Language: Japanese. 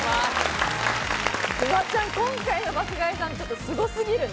フワちゃん、今回の爆買いさん、すご過ぎるね。